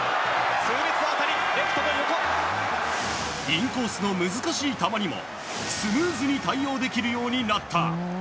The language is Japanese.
インコースの難しい球にもスムーズに対応できるようになった。